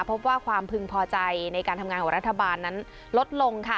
พบว่าความพึงพอใจในการทำงานของรัฐบาลนั้นลดลงค่ะ